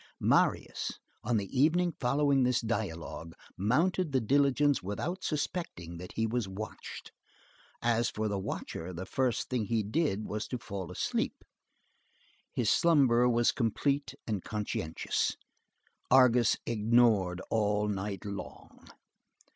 Marius, on the evening following this dialogue, mounted the diligence without suspecting that he was watched. As for the watcher, the first thing he did was to fall asleep. His slumber was complete and conscientious. Argus snored all night long.